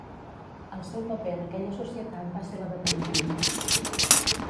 El seu paper en aquella societat va ser la de tenir fills.